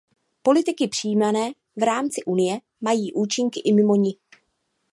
Politiky přijímané v rámci Unie mají účinky i mimo ni.